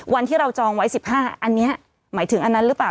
วันที่เราจองไว้๑๕อันนี้หมายถึงอันนั้นหรือเปล่า